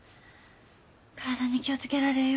体に気を付けられえよ。